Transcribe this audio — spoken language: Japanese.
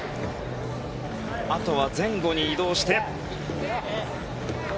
あとは前後に移動して。